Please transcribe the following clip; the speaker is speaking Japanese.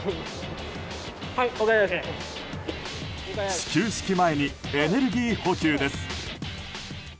始球式前にエネルギー補給です。